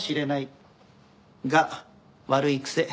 が悪い癖。